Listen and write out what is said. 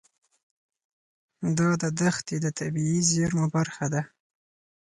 دا دښتې د طبیعي زیرمو برخه ده.